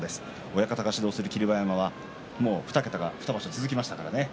親方が指導する霧馬山は２桁が２場所続きましたからね。